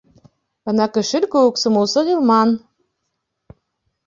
— Бына көшөл кеүек сумыусы Ғилман!